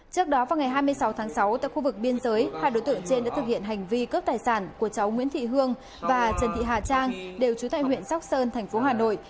trước đó vào ngày hai mươi sáu tháng sáu tại khu vực biên giới hai đối tượng trên đã thực hiện hành vi cướp tài sản của cháu nguyễn thị hương và trần thị hà trang đều trú tại huyện sóc sơn thành phố hà nội